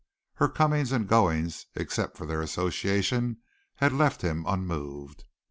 Her comings and goings, except for their association, had left him unmoved.